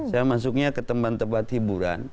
saya masuknya ke tempat tempat hiburan